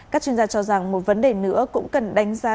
các chuyên gia cho rằng một vấn đề nữa cũng cần đánh giá